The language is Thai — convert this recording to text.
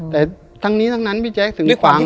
แต่ทั้งนี้ทั้งนั้นพี่แจ๊คถึงขวาง